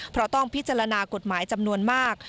เพราะต้องพิจารณากฎหมายจำนวนมาก